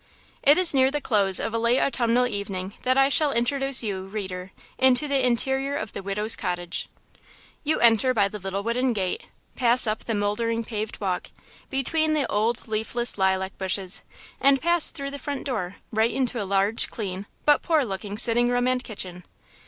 It is near the close of a late autumnal evening that I shall introduce you, reader, into the interior of the widow's cottage. You enter by the little wooden gate, pass up the moldering paved walk, between the old, leafless lilac bushes, and pass through the front door right into a large, clean but poor looking sitting room and kitchen.